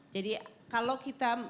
jadi kalau kita